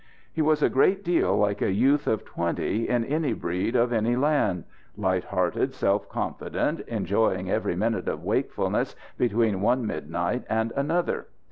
He was a great deal like a youth of twenty in any breed of any land light hearted, self confident, enjoying every minute of wakefulness between one midnight and another.